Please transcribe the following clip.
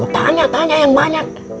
tanya tanya yang banyak